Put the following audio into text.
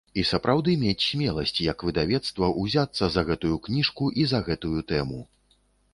І сапраўды мець смеласць, як выдавецтву, узяцца за гэтую кніжку і за гэтую тэму.